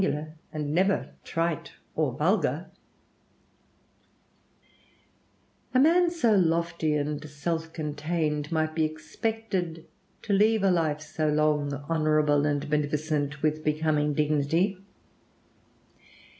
] A man of character so lofty and self contained might be expected to leave a life so long, honorable, and beneficent with becoming dignity.